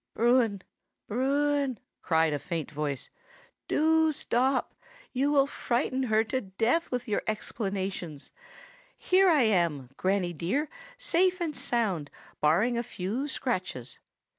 "Bruin, Bruin!" cried a faint voice, "do stop! You will frighten her to death with your explanations. Here I am, Granny dear, safe and sound, barring a few scratches."